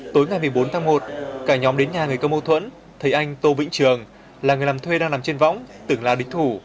tối ngày một mươi bốn tháng một cả nhóm đến nhà người có mâu thuẫn thấy anh tô vĩnh trường là người làm thuê đang nằm trên võng tưởng là đích thủ